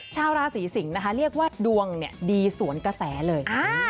ชาวราศีสิงศ์นะคะเรียกว่าดวงดีสวนกระแสเลย